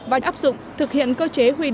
và áp dụng thực hiện cơ chế huy đồng